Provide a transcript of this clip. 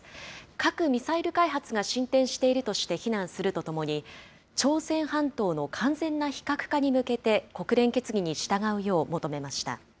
核・ミサイル開発が進展しているとして非難するとともに、朝鮮半島の完全な非核化に向けて、国連決議に従うよう求めました。